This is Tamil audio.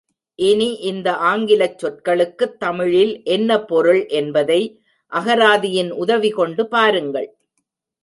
இனி, இந்த ஆங்கிலச் சொற்களுக்குத் தமிழில் என்ன பொருள் என்பதை அகராதியின் உதவி கொண்டு பாருங்கள்.